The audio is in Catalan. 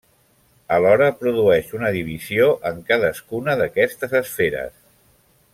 Alhora produeix una divisió en cadascuna d'aquestes esferes.